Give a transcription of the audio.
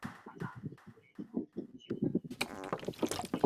北魏绎幕县属于东清河郡。